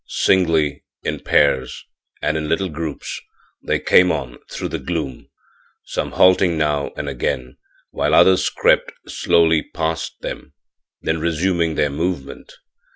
Singly, in pairs and in little groups, they came on through the gloom, some halting now and again while others crept slowly past them, then resuming their movement.